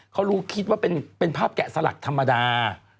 เขารู้คิดว่าเป็นภาพแกะสลักธรรมดา